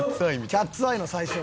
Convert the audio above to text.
『キャッツ・アイ』の最初。